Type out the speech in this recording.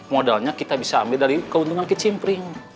modalnya kita bisa ambil dari keuntungan kicimpring